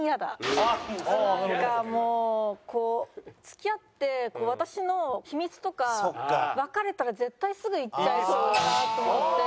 付き合って私の秘密とか別れたら絶対すぐ言っちゃいそうだなと思って。